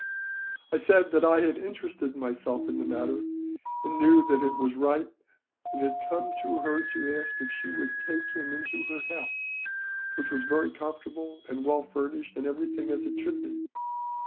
"' "I said that I had interested myself in the matter, and knew that it was right, and had come to her to ask her if she would take him into her house, which was very comfortable and well furnished, and everything as it should be.